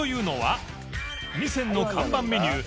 「味仙」の看板メニュー